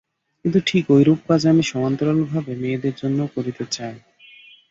কিন্তু ঠিক ঐরূপ কাজ আমি সমান্তরালভাবে মেয়েদের জন্যও করিতে চাই।